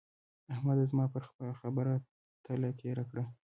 احمد زما پر خبره تله تېره کړه.